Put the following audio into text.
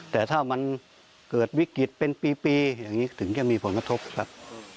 แต่ถ้ามันเกิดวิกฤตเป็นปีอย่างนี้ถึงจะมีผลกระทบครับ